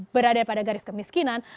berada pada garis kemiskinan